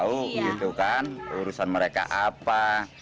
urusan mereka apa